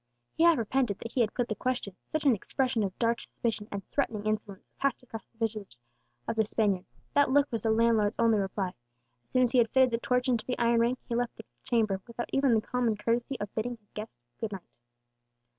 He half repented that he had put the question, such an expression of dark suspicion and threatening insolence passed across the visage of the Spaniard. That look was the landlord's only reply; as soon as he had fitted the torch into the iron ring, he left the chamber without even the common courtesy of bidding his guest "good night."